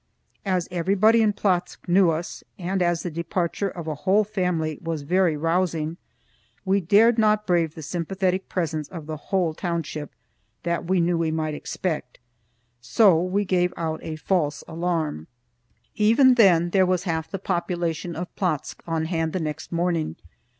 As everybody in Plotzk knew us, and as the departure of a whole family was very rousing, we dared not brave the sympathetic presence of the whole township, that we knew we might expect. So we gave out a false alarm. Even then there was half the population of Plotzk on hand the next morning.